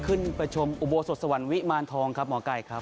ขึ้นไปชมอุโบสถสวรรค์วิมารทองครับหมอไก่ครับ